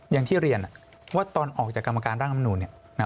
อย่างที่เรียนว่าตอนออกจากกรรมการร่างธรรมนุษย์